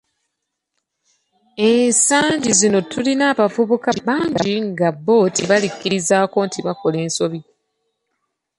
Ensagi zino tulina abavubuka bangi nga bo tebalikkirizzaako nti bakola ensobi.